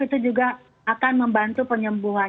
itu juga akan membantu penyembuhan